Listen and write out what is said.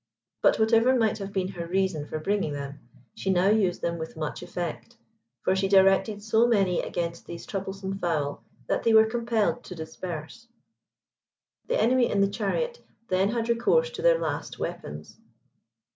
But whatever might have been her reason for bringing them, she now used them with much effect, for she directed so many against these troublesome fowl, that they were compelled to disperse. The enemy in the chariot then had recourse to their last weapons.